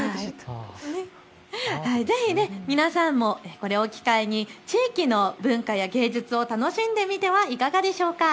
ぜひ皆さんもこれを機会に地域の文化や芸術を楽しんでみてはいかがでしょうか。